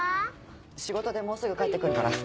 仕事でもうすぐ帰って来るから。